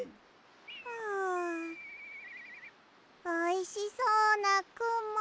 おいしそうなくも。